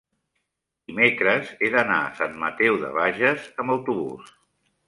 dimecres he d'anar a Sant Mateu de Bages amb autobús.